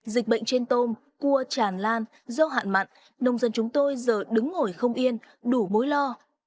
dịch bệnh trên tôm cua tràn lan do hạn mặn nông dân chúng tôi giờ đứng ngồi không yên đủ mối lo